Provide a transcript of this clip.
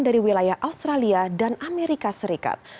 dari wilayah australia dan amerika serikat